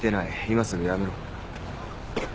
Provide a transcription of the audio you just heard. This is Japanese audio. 今すぐ辞めろ。